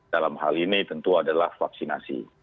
dalam hal ini tentu adalah vaksinasi